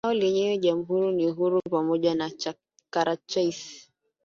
lao wenyewe Jamuhuri huru ni pamoja na Karachais